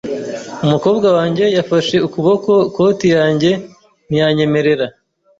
Umukobwa wanjye yafashe ukuboko koti yanjye ntiyanyemerera.